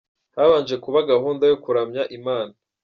Habanje kuba gahunda yo kuramya Imana.